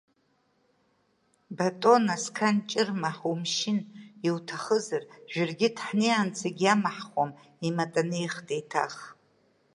Батоно, сқан ҷырма, ҳумшьын, иуҭахызар, Жәыргьыҭ ҳнеиаанӡагьы иамҳхом, иматанеихт еиҭах.